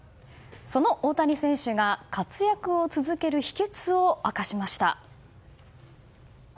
その大谷選手が活躍を続ける秘訣を明かしました。